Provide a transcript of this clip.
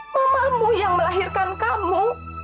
mamamu yang melahirkan kamu